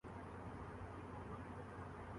لیکن میں جواب نہیں دے پاتا ۔